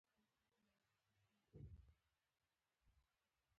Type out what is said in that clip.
فریدګل له ډګروال څخه د هغه د مهربانۍ مننه وکړه